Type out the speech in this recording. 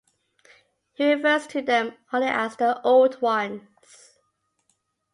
He refers to them only as "The Old Ones".